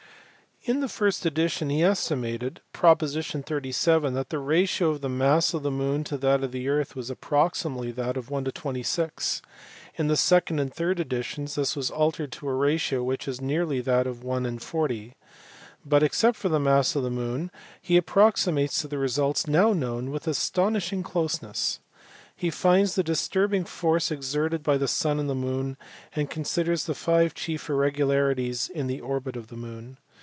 In the first edition he estimated (prop. 37) that the ratio of the mass of the moon to that of the earth was approximately that of 1 : 26, in the second and third editions this was altered to a ratio which is nearly that of 1 : 40 ; but except for the mass of the moon he approximates to the results now known with astonishing closeness. He finds the disturbing force exerted by the sun on the moon, and considers the five chief irregularities in the orbit of the moon.